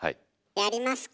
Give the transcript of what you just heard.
やりますか？